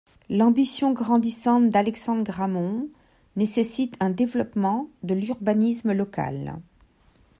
L'ambition grandissante d'Alexandre Grammont nécessite un développement de l'urbanisme local.